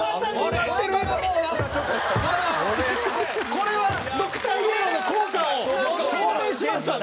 これはドクターイエローの効果を証明しましたね！